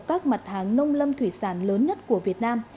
các mặt hàng nông lâm thủy sản lớn nhất của việt nam